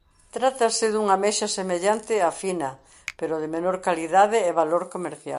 Trátase dunha ameixa semellante á fina pero de menor calidade e valor comercial.